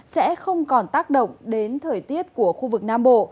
sẽ không còn tác động đến thời tiết của khu vực nam bộ